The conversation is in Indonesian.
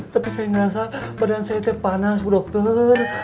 tapi saya ngerasa badan saya itu panas dokter